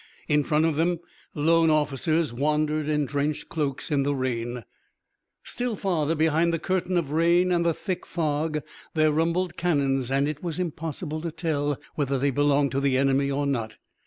In front of them lone officers wandered in drenched cloaks in the rain; still farther behind the curtain of rain and the thick fog there rumbled cannons and it was impossible to tell whether they belonged to the enemy or not.